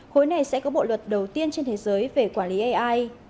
khối này sẽ có bộ luật đầu tiên trên thế giới về quản lý ai